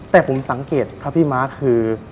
แต่ผมสังเกตครับพี่ม้าคือ